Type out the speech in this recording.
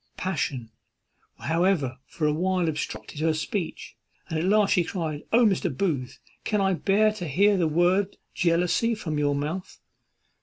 Passion, however, for a while obstructed her speech, and at last she cried, "O, Mr. Booth! can I bear to hear the word jealousy from your mouth?"